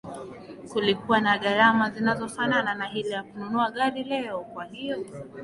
kulikuwa na gharama zinazofanana na ile ya kununua gari leo Kwa hiyo